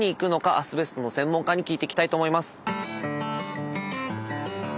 アスベストの専門家に聞いてきたいと思います！